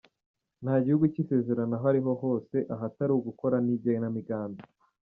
Nta gihugu cy’isezerano aho ari ho hose, ahatari ugukora n’igenamigambi.